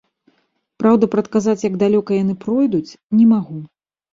Праўда, прадказаць, як далёка яны пройдуць, не магу.